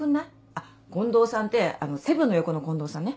あ近藤さんってあのセブンの横の近藤さんね。